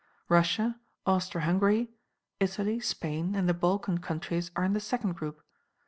Russia, Austro Hungary, Italy, Spain, and the Balkan countries are in the second group.